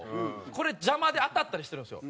これ邪魔で当たったりしてるんですよ。